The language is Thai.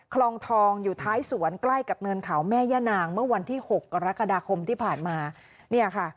คลองทองอยู่ท้ายสวนใกล้กับเนินเขาแม่ย่านางเมื่อวันที่หกกรกฎาคมที่ผ่านมาเนี่ยค่ะ